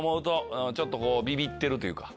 ちょっとビビってるというか。